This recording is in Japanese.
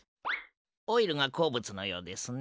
オイルがこう物のようですね。